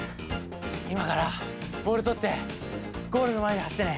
いまからボールとってゴールのまえにはしってね。